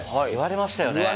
言われました。